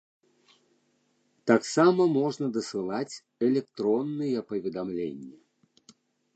Таксама можна дасылаць электронныя паведамленні.